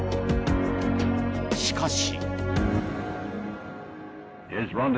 しかし。